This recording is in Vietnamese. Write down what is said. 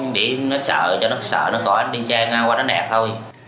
để nó sợ cho nó sợ nó khỏi đi xe ngang qua nó nẹt thôi